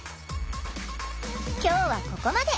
今日はここまで。